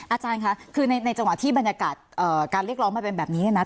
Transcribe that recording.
อาจารย์คะคือในจังหวะที่บรรยากาศการเรียกร้องมันเป็นแบบนี้เนี่ยนะ